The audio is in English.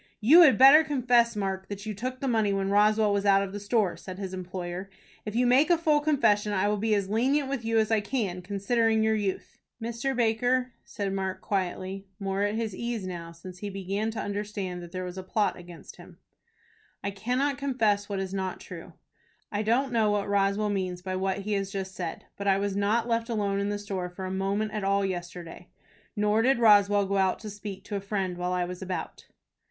"You had better confess, Mark, that you took the money when Roswell was out of the store," said his employer. "If you make a full confession, I will be as lenient with you as I can, considering your youth." "Mr. Baker," said Mark, quietly, more at his ease now, since he began to understand that there was a plot against him, "I cannot confess what is not true. I don't know what Roswell means by what he has just said, but I was not left alone in the store for a moment all day yesterday, nor did Roswell go out to speak to a friend while I was about."